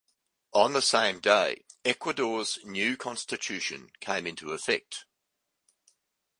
On the same day, Ecuador's new constitution came into effect.